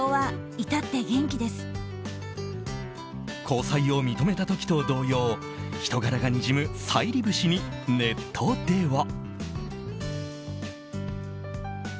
交際を認めた時と同様人柄がにじむ沙莉節にネットでは。